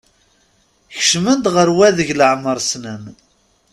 Kecmen-d ɣer wadeg leɛmer ssnen.